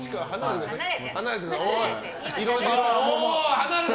離れて！